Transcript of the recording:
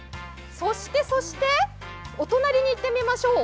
そして、お隣に行ってみましょう。